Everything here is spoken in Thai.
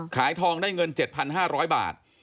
ขายทองได้เงิน๗๕๐๐บาท